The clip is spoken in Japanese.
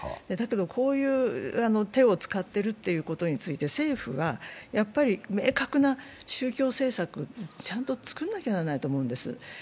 こういう手を使っているということについて、政府はやっぱり明確な宗教政策をちゃんと作らないといけないと思います。